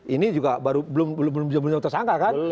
ini juga belum terjangka kan